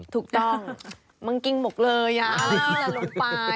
ถูกต้องมันกินหมกเลยนะ